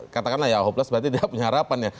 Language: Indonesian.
katakanlah ya hopeless berarti dia punya harapan ya